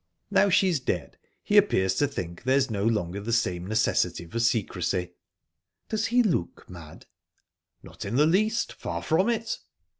Now she's dead, he appears to think there's no longer the same necessity for secrecy." "Does he look mad?" "Not in the least. Far from it."